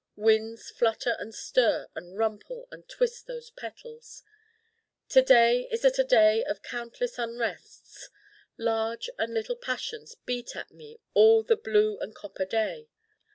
Winds flutter and stir and rumple and twist those petals To day is a To morrow of countless unrests. Large and little Passions beat at me all the blue and copper day.